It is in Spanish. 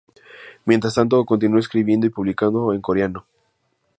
Mientras tanto continuó escribiendo y publicando en coreano.